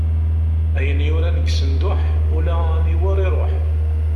Ayen yuran deg usenduḥ, ula aniwer iṛuḥ.